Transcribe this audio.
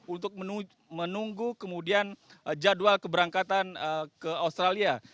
untuk menunggu kemudian jadwal keberangkatan ke australia